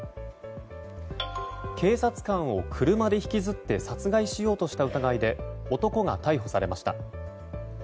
警察官を車で引きずって殺害しようとした疑いで男が逮捕されました。